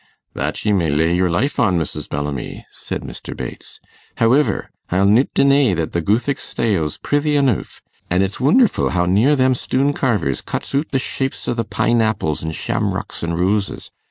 'That ye may ley your life on, Mrs. Bellamy,' said Mr. Bates. 'Howiver, I'll noot denay that the Goothic stayle's prithy anoof, an' it's woonderful how near them stoon carvers cuts oot the shapes o' the pine apples, an' shamrucks, an' rooses.